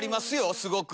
すごく。